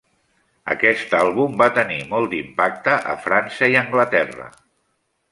Aquest àlbum va tenir molt d'impacte a França i Anglaterra.